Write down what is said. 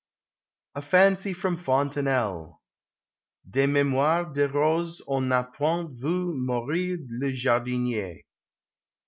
A FANCY FROM FONTENELLE. " De memoires de Roses on n a point vu mourir le Jardinier."